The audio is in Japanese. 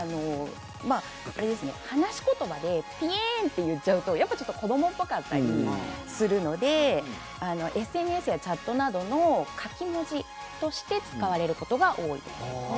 話し言葉で、ぴえーんと言っちゃうと子どもっぽかったりするのでＳＮＳやチャットなどの書き文字として使われることが多いんです。